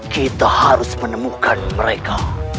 kita harus menemukan mereka